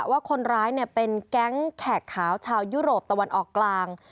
ว่าคนร้ายเป็นแก๊งแขกขาวชาวยุโรปตะวันออกกลาง